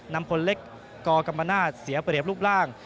นำพลเล็กกกรรมนาศเสียเปรียบรูปร่าง